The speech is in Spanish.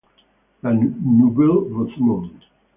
La Neuville-Bosmont